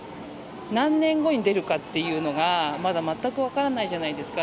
何年後に出るかっていうのが、まだ全く分からないじゃないですか。